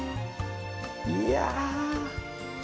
いや！